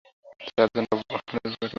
চারজনই top অর্ডারের batsman.